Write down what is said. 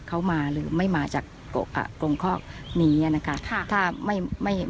เขามายังไม่มาจากกรงข้อหนีนะคะถ้าไม่